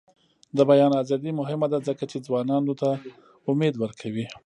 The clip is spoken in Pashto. د بیان ازادي مهمه ده ځکه چې ځوانانو ته امید ورکوي.